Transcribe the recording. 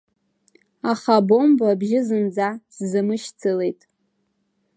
Аха абомба абжьы зынӡа сзамышьцылеит.